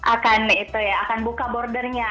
akan itu ya akan buka bordernya